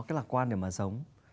cái lạc quan để mà sống